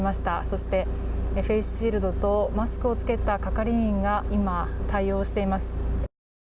そして、フェースシールドとマスクを着けた係員が今、対応しています。